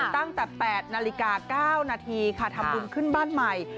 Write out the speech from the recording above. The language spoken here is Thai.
ตั้งแต่๘นาฬิกา๙นาทีค่ะทำบุญขึ้นบ้านใหม่